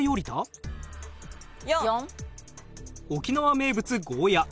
沖縄名物ゴーヤー。